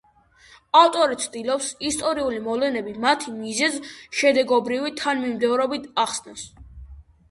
ავტორი ცდილობს ისტორიული მოვლენები მათი მიზეზ-შედეგობრივი თანამიმდევრობით ახსნას.